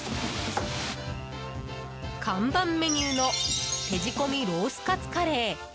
看板メニューの手仕込みロースかつカレー。